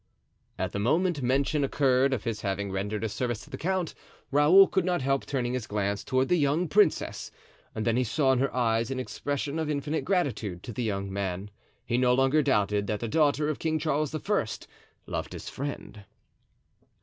At the moment mention occurred of his having rendered a service to the count, Raoul could not help turning his glance toward the young princess, and then he saw in her eyes an expression of infinite gratitude to the young man; he no longer doubted that the daughter of King Charles I. loved his friend.